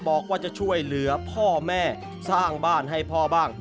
บอกว่าจะช่วยเหลือพ่อแม่สร้างบ้านให้พ่อบ้าง